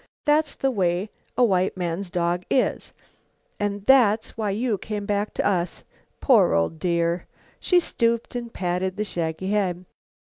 That's the way a white man's dog is, and that's why you come back to us, poor old dear." She stooped and patted the shaggy head.